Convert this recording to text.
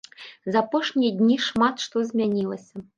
За апошнія дні шмат што змянілася.